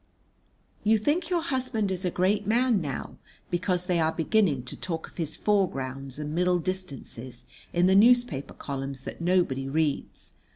You think your husband is a great man now because they are beginning to talk of his foregrounds and middle distances in the newspaper columns that nobody reads.